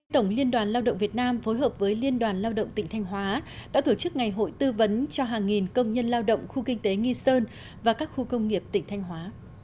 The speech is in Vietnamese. tổng liên đoàn lao động việt nam phối hợp với liên đoàn lao động tỉnh thanh hóa đã tổ chức ngày hội tư vấn cho hàng nghìn công nhân lao động khu kinh tế nghi sơn và các khu công nghiệp tỉnh thanh hóa